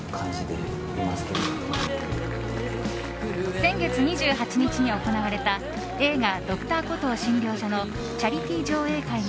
先月２８日に行われた映画「Ｄｒ．コトー診療所」のチャリティー上映会に